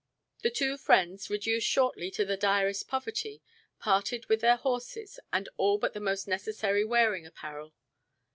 The two friends, reduced shortly to the direst poverty, parted with their horses and all but the most necessary wearing apparel.